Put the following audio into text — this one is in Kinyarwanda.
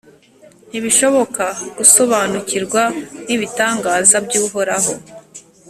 ntibishoboka gusobanukirwa n’ibitangaza by’Uhoraho.